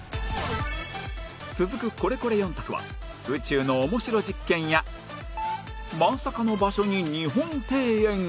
続くコレコレ４択は宇宙のおもしろ実験やまさかの場所に日本庭園が